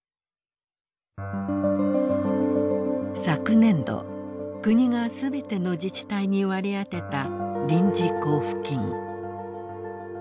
昨年度国が全ての自治体に割り当てた臨時交付金。